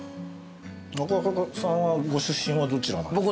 中岡さんはご出身はどちらなんですか？